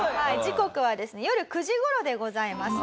時刻はですね夜９時頃でございます。